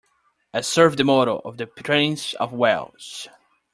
I serve the motto of the Prince of Wales.